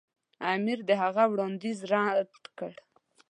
امیر د هغه وړاندیز رد کړ.